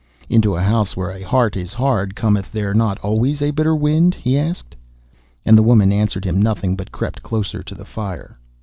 'Into a house where a heart is hard cometh there not always a bitter wind?' he asked. And the woman answered him nothing, but crept closer to the fire.